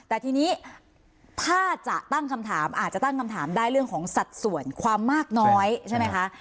แต่ทีนี้ถ้าจะตั้งคำถามได้เรื่องสัดส่วนความมากน้อยใช่ไหมคะ